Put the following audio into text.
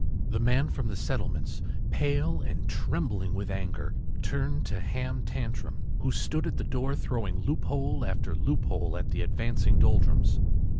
” The man from the settlements, pale and trembling with anger, turned to Ham Tantrum, who stood at the door throwing loophole after loophole at the advancing Doldrums.